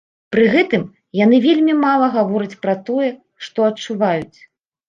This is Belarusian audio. Пры гэтым яны вельмі мала гавораць пра тое, што адчуваюць.